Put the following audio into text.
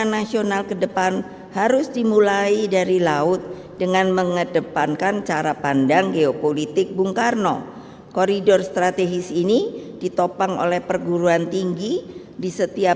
bapak presiden kami telah membuat peta